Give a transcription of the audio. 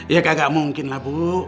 ya kak gak mungkin lah bu